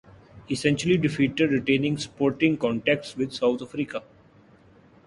He staunchly defended retaining sporting contacts with South Africa.